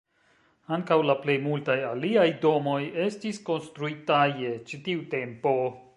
Ankaŭ la plej multaj aliaj domoj estis konstruita je ĉi tiu tempo.